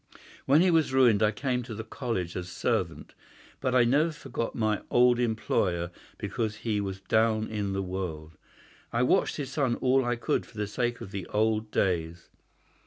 When he was ruined I came to the college as servant, but I never forgot my old employer because he was down in the world. I watched his son all I could for the sake of the old days.